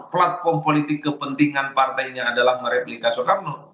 platform politik kepentingan partainya adalah mereplika soekarno